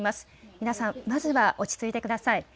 皆さん、まずは落ち着いてください。